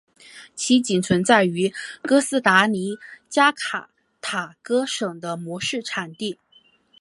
其仅存在于哥斯达黎加卡塔戈省的模式产地。